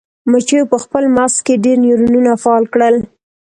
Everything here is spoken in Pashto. مچیو په خپل مغز کې ډیر نیورونونه فعال کړل.